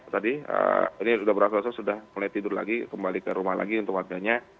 tadi ini sudah berasa rasa sudah mulai tidur lagi kembali ke rumah lagi untuk warganya